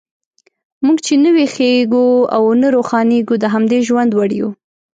موږ چې نه ویښیږو او نه روښانیږو، د همدې ژوند وړ یو.